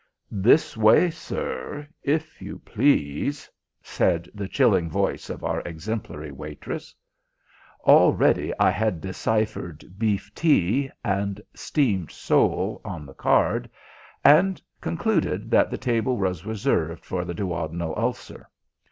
"This way, sir, if you please," said the chilling voice of our exemplary waitress. Already I had deciphered "beef tea" and "steamed sole" on the card, and concluded that the table was reserved for the duodenal ulcer.